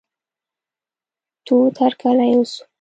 تود هرکلی وسو.